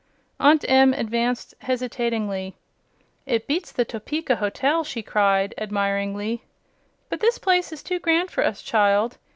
Aunt Em advanced hesitatingly. "It beats the Topeka Hotel!" she cried admiringly. "But this place is too grand for us, child.